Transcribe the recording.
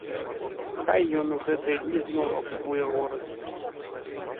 Хай ён у гэтыя дні зноў акупуе горад.